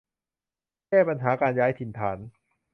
แก้ปัญหาการย้ายถิ่นฐาน